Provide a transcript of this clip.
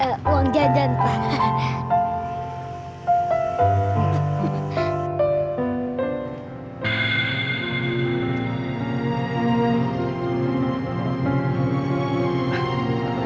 eh uang jajan pak